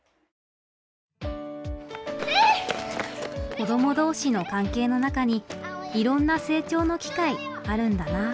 子ども同士の関係の中にいろんな成長の機会あるんだな。